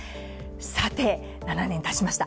さて、７年経ちました。